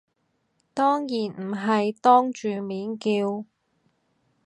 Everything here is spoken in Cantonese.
當然唔係當住面叫